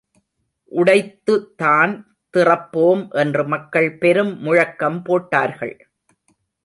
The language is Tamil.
உடைத்துதான் திறப்போம் என்று மக்கள் பெரும் முழக்கம் போட்டார்கள்.